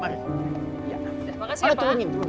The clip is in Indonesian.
makasih ya pak